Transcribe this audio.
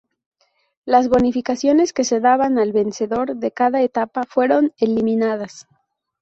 Las bonificaciones que se daban al vencedor de cada etapa fueron eliminadas.